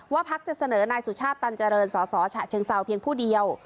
พักจะเสนอนายสุชาติตันเจริญสสฉะเชิงเซาเพียงผู้เดียว